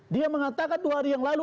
dia mengatakan dua hari yang lalu